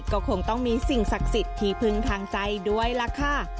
ก็คงต้องมีสิ่งศักดิ์สิทธิ์ที่พึงทางใจด้วยล่ะค่ะ